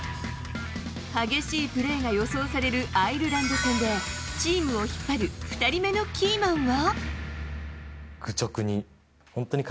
激しいプレーが予想されるアイルランド戦でチームを引っ張る２人目のキーマンは。